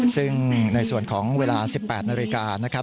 ซึ่งในส่วนของเวลา๑๘นาฬิกา